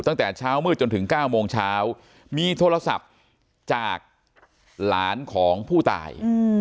ตั้งแต่เช้ามืดจนถึง๙โมงเช้ามีโทรศัพท์จากหลานของผู้ตาย